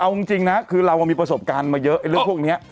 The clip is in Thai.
เอาจริงนะคือเรามีประสบการณ์มาเยอะไอ้เรื่องพวกนี้